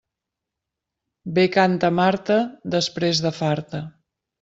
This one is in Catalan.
Bé canta Marta després de farta.